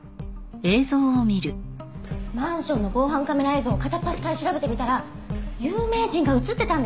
マンションの防犯カメラ映像を片っ端から調べてみたら有名人が映ってたんです！